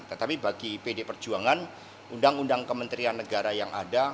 tetapi bagi pd perjuangan undang undang kementerian negara yang ada